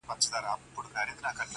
گوره وړې زيارت ته راسه زما واده دی گلي_